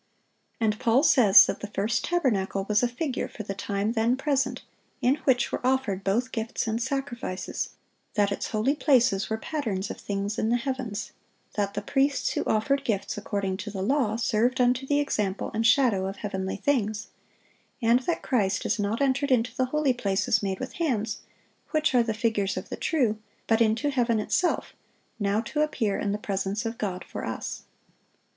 (671) And Paul says that the first tabernacle "was a figure for the time then present, in which were offered both gifts and sacrifices;" that its holy places were "patterns of things in the heavens;" that the priests who offered gifts according to the law, served "unto the example and shadow of heavenly things," and that "Christ is not entered into the holy places made with hands, which are the figures of the true, but into heaven itself, now to appear in the presence of God for us."